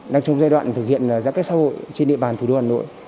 đang trong giai đoạn thực hiện giãn cách xã hội trên địa bàn thủ đô hà nội